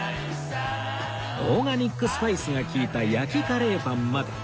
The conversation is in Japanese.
オーガニックスパイスが利いた焼きカレーパンまで